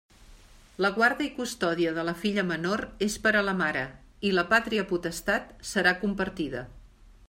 La guarda i custòdia de la filla menor és per a la mare, i la pàtria potestat serà compartida.